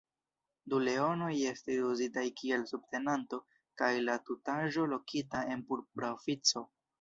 Du leonoj estis uzitaj kiel subtenanto kaj la tutaĵo lokita en purpura ofico.